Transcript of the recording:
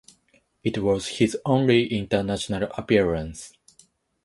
It was his only international appearance.